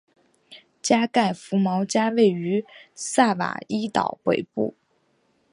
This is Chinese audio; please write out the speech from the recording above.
加盖福毛加位于萨瓦伊岛北部。